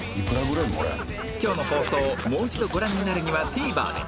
今日の放送をもう一度ご覧になるには ＴＶｅｒ で